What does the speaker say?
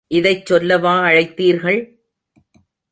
இதைச் சொல்லவா அழைத்தீர்கள்?